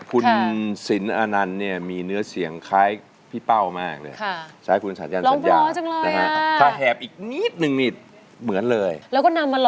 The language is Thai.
ก็อยู่กับเรา